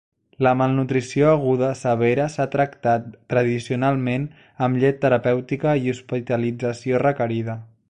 La malnutrició aguda severa s'ha tractat tradicionalment amb llet terapèutica i hospitalització requerida.